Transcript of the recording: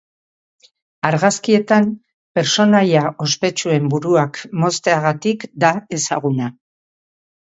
Argazkietan, pertsonaia ospetsuen buruak mozteagatik da ezaguna.